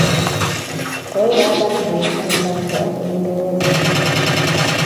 Koiraban bek Ailandi ak Uingereza.